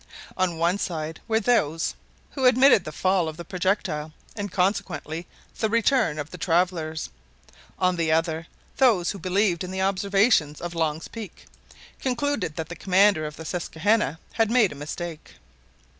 On one side were those who admitted the fall of the projectile, and consequently the return of the travelers; on the other, those who believed in the observations of Long's Peak, concluded that the commander of the Susquehanna had made a mistake.